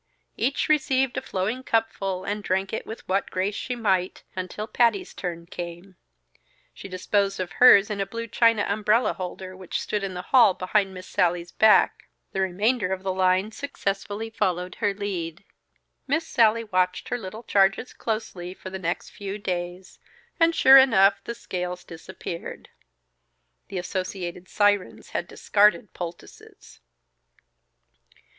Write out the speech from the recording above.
Each received a flowing cupful and drank it with what grace she might, until Patty's turn came. She disposed of hers in a blue china umbrella holder which stood in the hall behind Miss Sallie's back. The remainder of the line successfully followed her lead. Miss Sallie watched her little charges closely for the next few days; and sure enough, the scales disappeared. (The Associated Sirens had discarded poultices.)